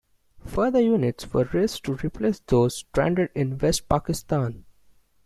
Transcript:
Further units were raised to replace those stranded in West Pakistan.